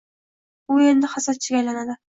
U endi hasadchiga aylanadi